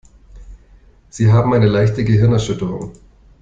Sie haben eine leichte Gehirnerschütterung.